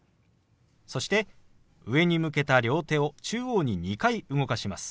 そして上に向けた両手を中央に２回動かします。